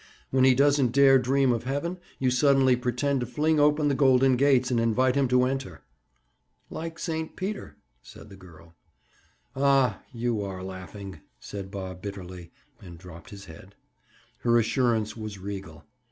When he doesn't dare dream of heaven, you suddenly pretend to fling open the golden gates and invite him to enter." "Like St. Peter," said the girl. "Ah, you are laughing," said Bob bitterly, and dropped his head. Her assurance was regal.